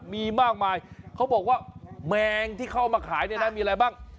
มีมากมายเขาบอกว่าแมงที่เข้ามาขายเนี่ยนะมีอะไรบ้าง